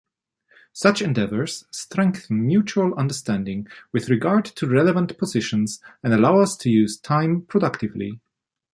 Such endeavors strengthen mutual understanding with regard to relevant positions and allow us to use time productively.